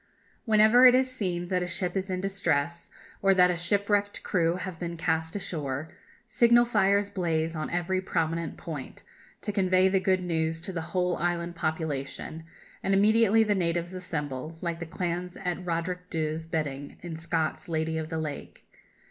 Whenever it is seen that a ship is in distress, or that a shipwrecked crew have been cast ashore, signal fires blaze on every prominent point, to convey the good news to the whole island population, and immediately the natives assemble, like the clans at Roderick Dhu's bidding, in Scott's "Lady of the Lake."